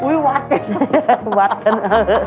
อุ๊ยวัดกันนะ